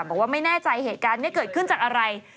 บอกว่าไม่แน่ใจเหตุการณ์นี้เกิดขึ้นจากอะไร